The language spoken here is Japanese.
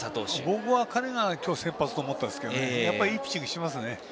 僕は彼が今日先発だと思ったんですけどいいピッチングしますね。